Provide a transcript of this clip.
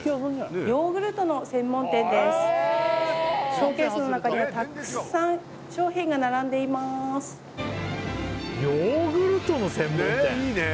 ショーケースの中にはたくさん商品が並んでいますねえいいね！